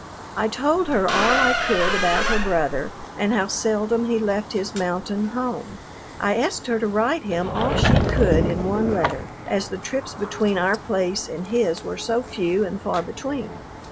I told her all I could about her brother and how seldom he left his mountain home. I asked her to write him all she could in one letter, as the trips between our place and his were so few and far between.